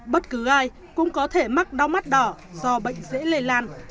bất cứ ai cũng có thể mắc đau mắt đỏ do bệnh dễ lây lan